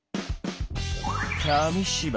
紙芝居